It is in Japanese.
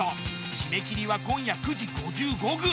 締め切りは今夜９時５５分。